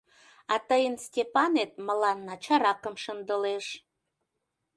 А тыйын Степанет мыланна чаракым шындылеш.